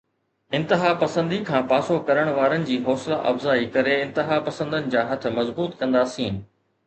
انتهاپسندي کان پاسو ڪرڻ وارن جي حوصلا افزائي ڪري انتها پسندن جا هٿ مضبوط ڪنداسين.